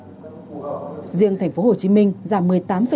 số ca tử vong trong tuần giảm một mươi năm tám so với tuần trước